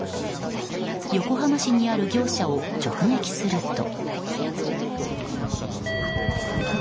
横浜市にある業者を直撃すると。